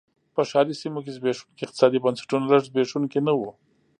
په ښاري سیمو کې زبېښونکي اقتصادي بنسټونه لږ زبېښونکي نه و.